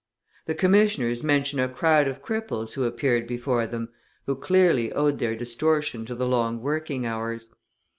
The Commissioners mention a crowd of cripples who appeared before them, who clearly owed their distortion to the long working hours.